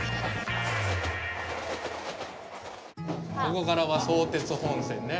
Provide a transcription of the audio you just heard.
ここからは相鉄本線ね。